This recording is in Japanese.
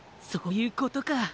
そういうことか。